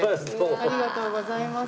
ありがとうございます。